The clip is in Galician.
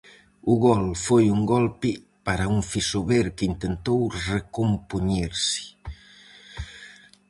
O gol foi un golpe para un Fisober que intentou recompoñerse.